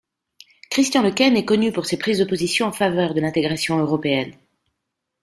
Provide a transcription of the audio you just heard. Christian Lequesne est connu pour ses prises de position en faveur de l'intégration européenne.